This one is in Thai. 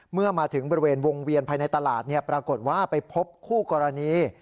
เมื่อมาถึงบริเวณวงเวียนภายในตลาดปรากฏว่าไปพบคู่กรณี